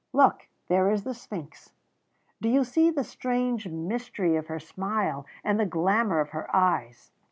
Look, there is the Sphinx! Do you see the strange mystery of her smile and the glamour of her eyes?